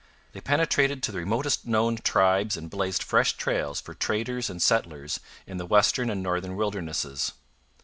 They penetrated to the remotest known tribes and blazed fresh trails for traders and settlers in the western and northern wildernesses.